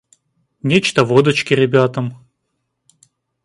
Нечто водочки ребятам?